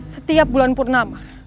setiap bulan purnama